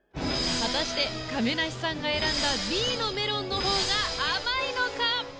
果たして亀梨さんが選んだＢのメロンのほうが甘いのか？